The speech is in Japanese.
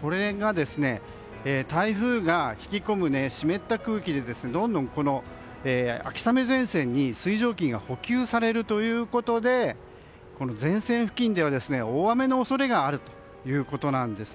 これが、台風が引き込む湿った空気でどんどん秋雨前線に水蒸気が補給されるということで前線付近では大雨の恐れがあるということです。